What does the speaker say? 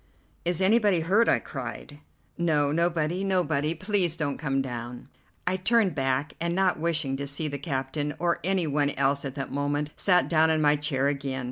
"Is anybody hurt?" I cried. "No, nobody, nobody. Please don't come down." I turned back, and not wishing to see the captain or any one else at that moment, sat down in my chair again.